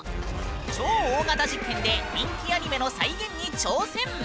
超大型実験で人気アニメの再現に挑戦！